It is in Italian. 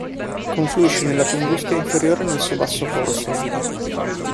Confluisce nella Tunguska Inferiore nel suo basso corso.